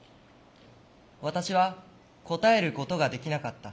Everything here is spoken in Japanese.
私は答えることができなかった。